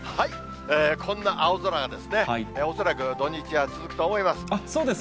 こんな青空が恐らく土日は続くと思います。